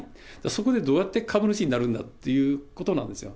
そこでどうやって株主になるんだということなんですよ。